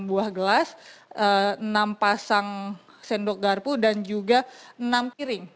enam buah gelas enam pasang sendok garpu dan juga enam piring